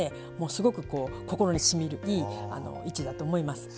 すごく心にしみるいい市だと思います。